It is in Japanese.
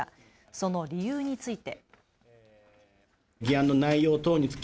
その理由について。